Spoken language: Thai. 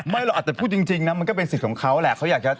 เราอาจจะพูดจริงนะมันก็เป็นสิทธิ์ของเขาแหละเขาอยากจะ